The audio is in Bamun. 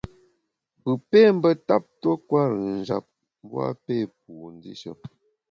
Pù pé mbe ntap tuo kwer-ùn njap, mbu a pé pu ndishe.